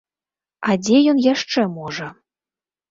А дзе ён яшчэ можа?